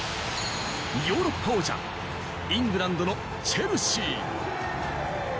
ヨーロッパ王者、イングランドのチェルシー。